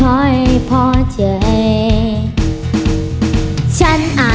เรียกประกันแล้วยังคะ